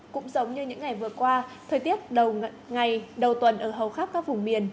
cũng giống như những ngày vừa qua thời tiết đầu ngày đầu tuần ở hầu khắp các vùng miền